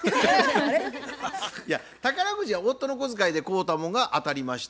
宝くじは夫の小遣いで買うたもんが当たりました。